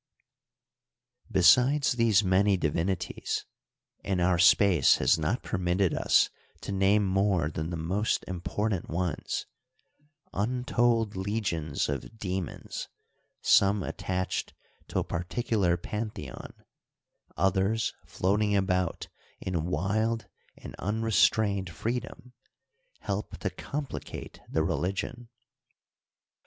Besides these many divinities — ^and our space has not permitted us to name more than the most important ones — ^untold legions of demons, some attached to a particular pantheon, others floating about in wild and unrestrained freedom, help to complicate the religion.